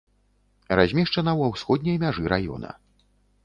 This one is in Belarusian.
Размешчана ва ўсходняй мяжы раёна.